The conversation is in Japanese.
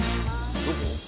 どこ？